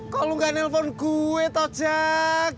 kok lo nggak nelfon gue tau jack